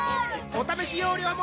お試し容量も